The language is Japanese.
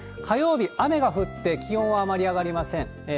火曜日、雨が降って、気温はあまり上がりません。